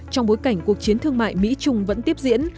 trong bối cảnh cuộc chiến thương mại mỹ trung vẫn tiếp diễn